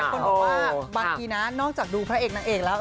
คนบอกว่าบางทีนะนอกจากดูพระเอกนางเอกแล้ว